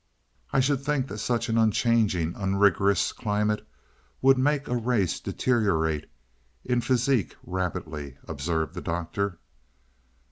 "I should think that such an unchanging, unrigorous climate would make a race deteriorate in physique rapidly," observed the Doctor.